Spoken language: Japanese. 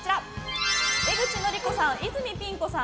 江口のりこさん、泉ピン子さん